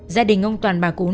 gia đình ông toàn bà cún